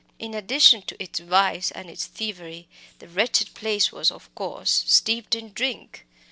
In addition to its vice and its thievery, the wretched place was, of course, steeped in drink.